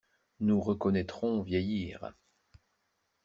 Nous reconnaîtrons vieillir.